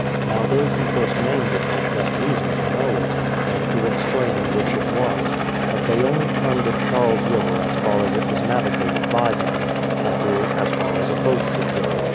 Now those who first _|iamed it had best reason to, know.it, and to explain which 300 BRADFORD'S HISTORY OF it was. But they only termed it Charles River as far as it was navigated by them, — that is, as far as a boat could go.